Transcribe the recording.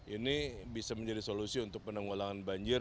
ini bisa menjadi solusi untuk penanggulangan banjir